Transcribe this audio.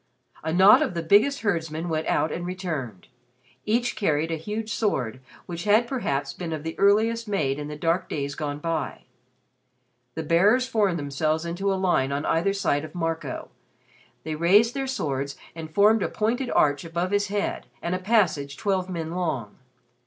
A knot of the biggest herdsmen went out and returned. Each carried a huge sword which had perhaps been of the earliest made in the dark days gone by. The bearers formed themselves into a line on either side of Marco. They raised their swords and formed a pointed arch above his head and a passage twelve men long.